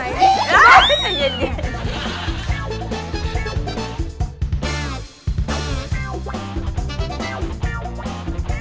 โปรดติดตามตอนต่อไป